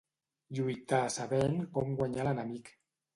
Lluitar sabent com guanyar l'enemic.